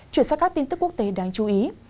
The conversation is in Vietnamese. chuyển sang các tin tức quốc tế đáng chú ý